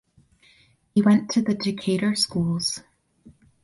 He went to the Decatur schools.